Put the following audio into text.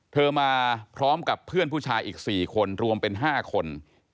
มาพร้อมกับเพื่อนผู้ชายอีก๔คนรวมเป็น๕คน